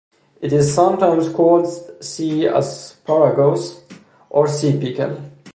It is sometimes called sea asparagus or sea pickle.